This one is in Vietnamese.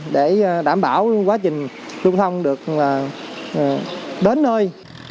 để đảm bảo quá trình lưu thông được đến nơi